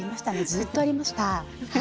ずっとありました。